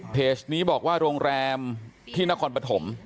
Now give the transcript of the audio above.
เพจนี้บอกว่าโรงแรมที่นครปฐม